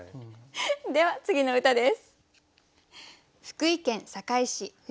では次の歌です。